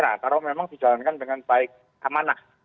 nah kalau memang dijalankan dengan baik amanah